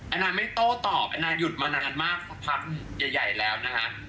อันนี้ไม่โต้ตอบแอนนาหยุดมานานมากสักพักใหญ่แล้วนะคะ